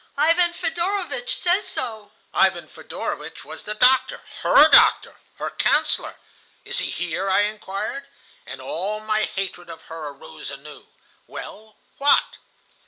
Ivan Fedorowitch says so.' "Ivan Fedorowitch was the doctor, her doctor, her counsellor. "'Is he here?' I inquired. "And all my hatred of her arose anew. "Well, what?